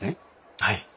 はい。